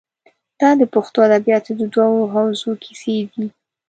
دا د پښتو ادبیاتو د دوو حوزو کیسې دي.